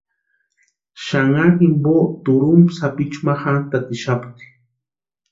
Xanharu jimpo turhumpa sapichu ma jantatixapti.